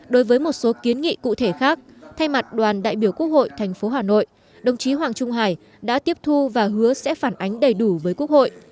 đối với một số kiến nghị cụ thể khác thay mặt đoàn đại biểu quốc hội tp hà nội đồng chí hoàng trung hải đã tiếp thu và hứa sẽ phản ánh đầy đủ với quốc hội